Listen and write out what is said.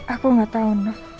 aku gak tau nino